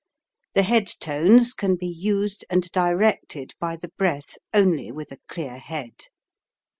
The head tones can be used and directed by the breath only with a clear head.